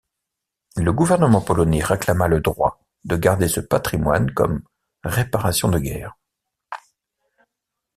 Le gouvernement polonais réclama le droit de garder ce patrimoine comme réparations de guerre.